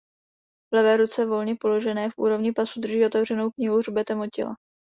V levé ruce volně položené v úrovni pasu drží otevřenou knihu hřbetem od těla.